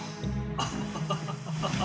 ハハハハハ！